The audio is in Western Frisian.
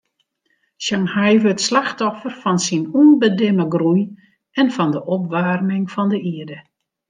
Shanghai wurdt slachtoffer fan syn ûnbedimme groei en fan de opwaarming fan de ierde.